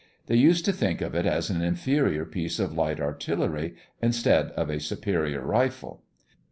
They used to think of it as an inferior piece of light artillery, instead of a superior rifle.